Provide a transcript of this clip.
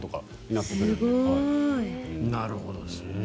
なるほどね。